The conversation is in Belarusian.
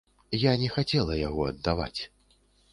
Я не хацела яго аддаваць.